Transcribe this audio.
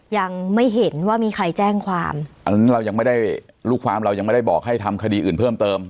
ยังไม่เห็นว่ามีใครแจ้งความอันนั้นเรายังไม่ได้ลูกความเรายังไม่ได้บอกให้ทำคดีอื่นเพิ่มเติม